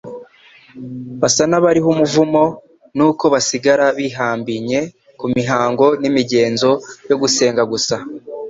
basa n'abariho umuvumo; nuko basigara bihambinye ku mihango n'imigenzo yo gusenga gusa.